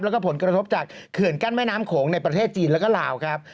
แล้วก็ผลกระทบจากเขื่อนกั้นแม่น้ำโขงในประเทศจีนแล้วก็ลาวครับ